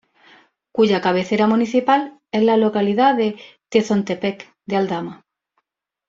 Cuya cabecera municipal es la localidad de Tezontepec de Aldama.